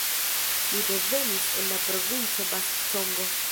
Li devenis el la Provinco Bas-Congo.